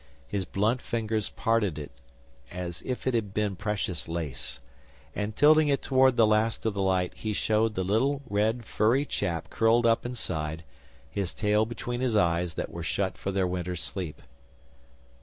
His blunt fingers parted it as if it had been precious lace, and tilting it toward the last of the light he showed the little, red, furry chap curled up inside, his tail between his eyes that were shut for their winter sleep.